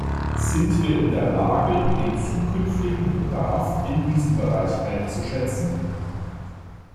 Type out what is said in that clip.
Sind wir in der Lage, den zukünftigen Bedarf in diesem Bereich einzuschätzen?